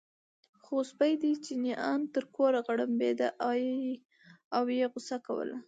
خو سپی دی، چیني ان تر کوره غړمبېده او یې غوسه کوله.